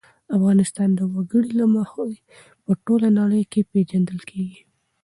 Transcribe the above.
افغانستان د وګړي له مخې په ټوله نړۍ کې پېژندل کېږي.